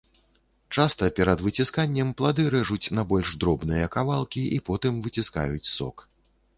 Часта, перад выцісканнем, плады рэжуць на больш дробныя кавалкі і потым выціскаюць сок.